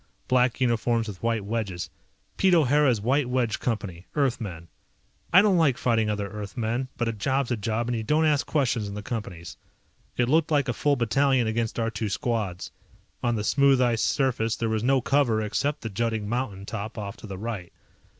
Black uniforms with white wedges. Pete O'Hara's White Wedge Company, Earthmen. I don't like fighting other Earthmen, but a job's a job and you don't ask questions in the Companies. It looked like a full battalion against our two squads. On the smooth ice surface there was no cover except the jutting mountain top off to the right.